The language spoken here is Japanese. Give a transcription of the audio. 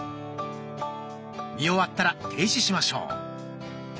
見終わったら停止しましょう。